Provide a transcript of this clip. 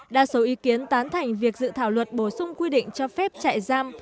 đa số ý kiến tán thành việc dự thảo luật bổ sung quy định cho phép chạy giam